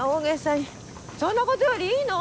そんなことよりいいの？